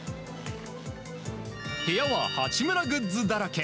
部屋は八村グッズだらけ。